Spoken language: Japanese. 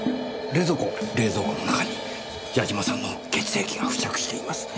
冷蔵庫の中に八嶋さんの血液が付着しています。